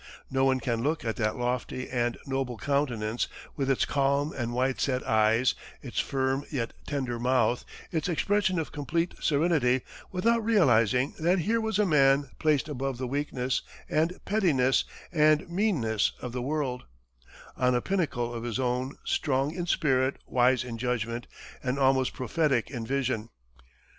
No one can look at that lofty and noble countenance, with its calm and wide set eyes, its firm yet tender mouth, its expression of complete serenity, without realizing that here was a man placed above the weakness and pettiness and meanness of the world, on a pinnacle of his own, strong in spirit, wise in judgment, and almost prophetic in vision.